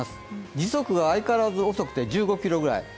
時速は相変わらず遅くて１５キロぐらい。